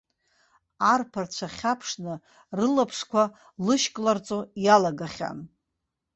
Арԥарцәа хьаԥшны, рылаԥшқәа лышькларҵо иалагахьан.